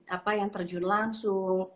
apa yang terjun langsung